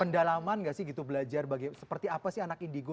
pendalaman gak sih gitu belajar seperti apa sih anak indigo